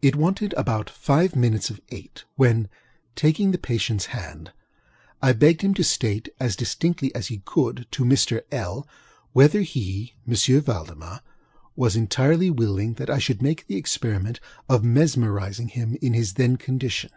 It wanted about five minutes of eight when, taking the patientŌĆÖs hand, I begged him to state, as distinctly as he could, to Mr. LŌĆöl, whether he (M. Valdemar) was entirely willing that I should make the experiment of mesmerizing him in his then condition.